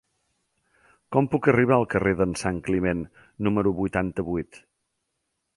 Com puc arribar al carrer d'en Santcliment número vuitanta-vuit?